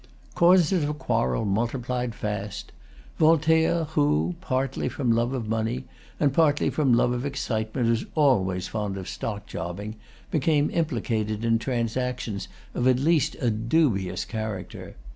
Causes of quarrel multiplied fast. Voltaire, who, partly from love of money, and partly from love of excitement, was always fond of stockjobbing, became implicated in transactions of at least a dubious character.